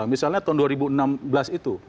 misalnya tahun dua ribu enam belas itu